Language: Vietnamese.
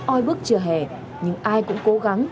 oi bức trưa hè nhưng ai cũng cố gắng